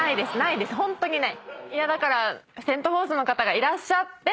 いやだからセント・フォースの方がいらっしゃって。